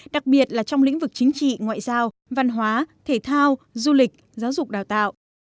đặc biệt là trong lĩnh vực chính trị ngoại giao văn hóa thể thao du lịch giáo dục đào tạo